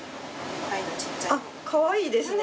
あっかわいいですね。